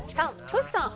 ３トシさん